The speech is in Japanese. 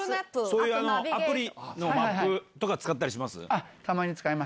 そういうアプリのマップとか確かに使います。